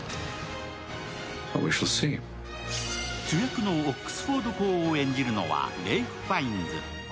主役のオックスフォード公を演じるのはレイフ・ファインズ。